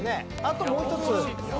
あともう１つ。